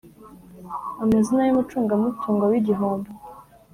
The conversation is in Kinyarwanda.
amazina y umucungamutungo w igihombo